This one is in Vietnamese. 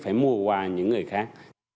phải mua qua những người khác